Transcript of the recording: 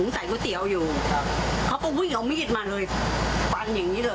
สู้กัน